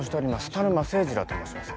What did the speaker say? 田沼誠二郎と申します。